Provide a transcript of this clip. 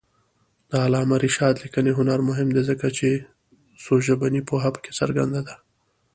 د علامه رشاد لیکنی هنر مهم دی ځکه چې څوژبني پوهه پکې څرګنده ده.